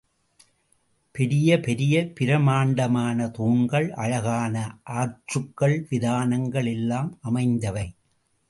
பெரிய பெரிய பிரமாண்டமான தூண்கள், அழகான ஆர்ச்சுகள், விதானங்கள் எல்லாம் அமைந்தவை.